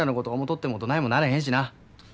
とってもどないもならへんしな。